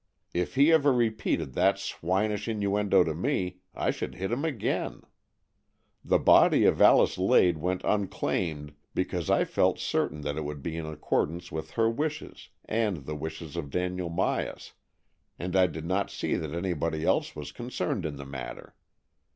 If he ever repeated that swinish innuendo to me, I should hit him again. The body of 234 AN EXCHANGE OF SOULS Alice Lade went unclaimed, because I felt certain that it would be in accordance with her wishes and the wishes of Daniel Myas, and I did not see that anybody else \vas concerned in the matter.